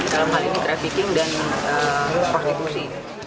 dalam hal ini trafficking dan prostribusi